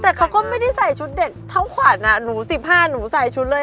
แต่เขาก็ไม่ได้ใส่ชุดเด็กเท่าขวัญหนู๑๕หนูใส่ชุดเลย